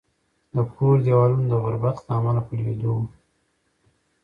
د کور دېوالونه د غربت له امله په لوېدو وو